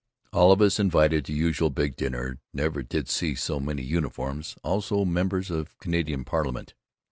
All of us invited to usual big dinner, never did see so many uniforms, also members of Canadian parliament.